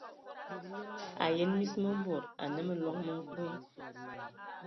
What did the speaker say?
A yən mis mə bod anə məloŋ mə nkoe.